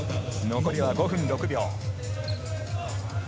残りは５分６秒。